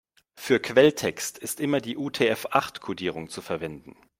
Für Quelltext ist bitte immer die UTF-acht-Kodierung zu verwenden.